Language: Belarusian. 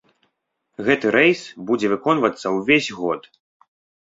Гэты рэйс будзе выконвацца ўвесь год.